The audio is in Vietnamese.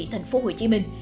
thành phố hồ chí minh